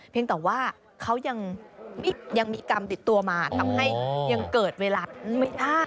แต่ว่าเขายังมีกรรมติดตัวมาทำให้ยังเกิดเวลาไม่ได้